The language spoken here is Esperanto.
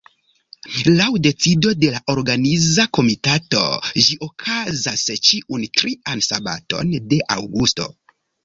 Laŭ decido de la Organiza Komitato ĝi okazas ĉiun trian sabaton de aŭgusto.